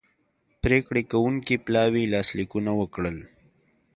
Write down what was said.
پریکړې کوونکي پلاوي لاسلیکونه وکړل